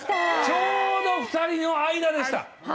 ちょうど２人の間でした。